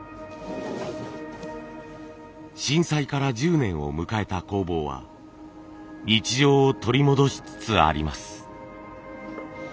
震災から１０年を迎えた工房は日常を取り戻しつつあります。